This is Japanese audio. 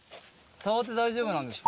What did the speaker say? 触って大丈夫なんですか？